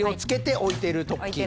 置いてる時。